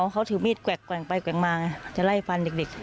เขาถือมีดแกว่งไปแกว่งมาจะไล่ฟันเด็ก